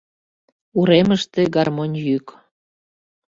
Уремыште гармонь йӱк.